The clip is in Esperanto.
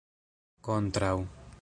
kontraŭ